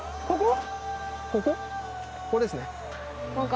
ここ？